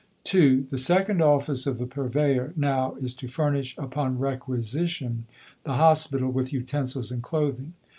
(2) The second office of the Purveyor now is to furnish, upon requisition, the Hospital with utensils and clothing.